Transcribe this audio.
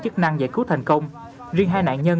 chức năng giải cứu thành công riêng hai nạn nhân